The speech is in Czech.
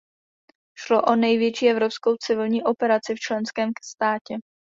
Šlo o největší evropskou civilní operaci v členském státě.